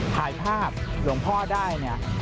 ถ่ายภาพหลวงพ่อได้